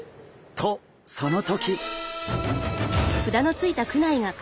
とその時！